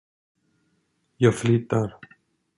Jag flyttar.